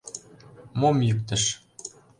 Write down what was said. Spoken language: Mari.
Мом йӱктыш?